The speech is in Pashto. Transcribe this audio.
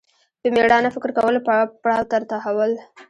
په مېړانه فکر کولو پړاو ته تحول